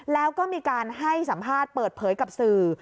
แล้วก็มีการให้สัมภาษณ์เปิดเผยกับสื่อ